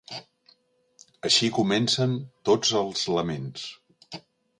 Així comencen tots els laments.